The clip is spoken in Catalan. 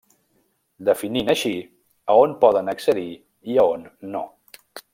Definint així a on poden accedir i a on no.